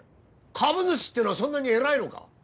株主ってのはそんなに偉いのか？